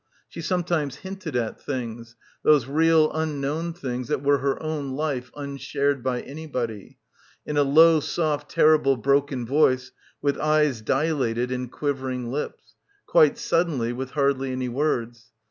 She sometimes hinted at things, those real un known things that were her own life unshared by anybody; in a low soft terrible broken voice, with eyes dilated and quivering lips; quite sud denly, with hardly any words.